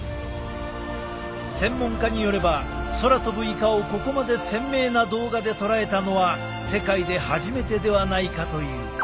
専門家によれば空飛ぶイカをここまで鮮明な動画で捉えたのは世界で初めてではないかという。